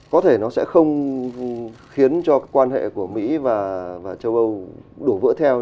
có thể nó sẽ không khiến cho quan hệ của mỹ và châu âu đổ vỡ theo